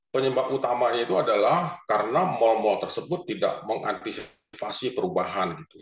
penyebab utamanya itu adalah karena mal mal tersebut tidak mengantisipasi perubahan gitu